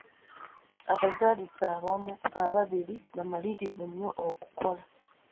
Abazaalisa ababiri bamalirivu nnyo okukola.